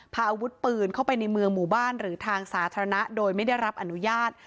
พาอาวุธปืนเข้าไปในเมืองหมู่บ้านหรือทางสาธารณะโดยไม่ได้รับอนุญาต